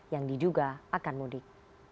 yang diduga akan mudik